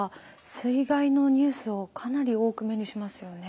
水害のニュースをかなり多く目にしますよね。